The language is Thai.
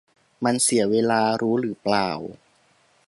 มันเสียเวลา รู้หรือเปล่า